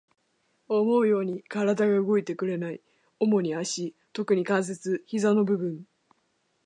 思うように体が動いてくれない。主に足、特に関節、膝の部分。